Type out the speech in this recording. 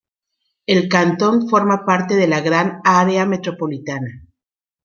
El cantón forma parte de la Gran Área Metropolitana.